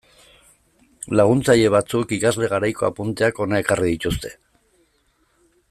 Laguntzaile batzuk ikasle garaiko apunteak hona ekarri dituzte.